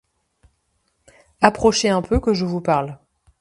Approchez un peu, que je vous parle.